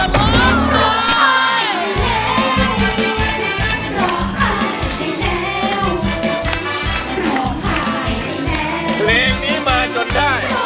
ปิด